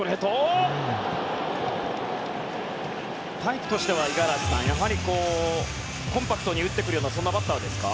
タイプとしてはコンパクトに打ってくるようなそんなバッターですか？